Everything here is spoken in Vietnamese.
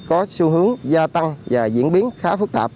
có xu hướng gia tăng và diễn biến khá phức tạp